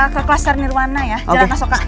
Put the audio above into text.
ke kelas sarnirwana ya jalan masoka